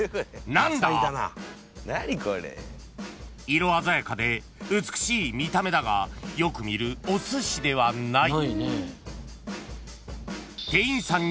［色鮮やかで美しい見た目だがよく見るおすしではない］